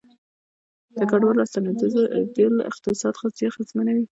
د کډوالو راستنیدل اقتصاد اغیزمنوي